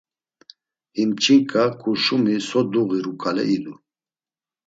Him ç̌inǩa ǩurşumi so duğiru ǩale idu.